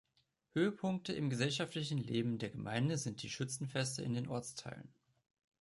Höhepunkte im gesellschaftlichen Leben der Gemeinde sind die Schützenfeste in den Ortsteilen.